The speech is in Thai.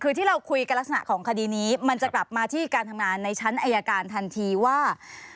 คือที่เราคุยกันลักษณะของคดีนี้มันจะกลับมาที่การทำงานในชั้นอายการทันทีว่า